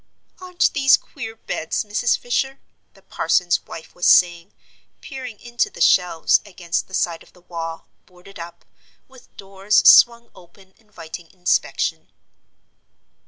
"Aren't these queer beds, Mrs. Fisher?" the parson's wife was saying, peering into the shelves against the side of the wall, boarded up, with doors swung open inviting inspection.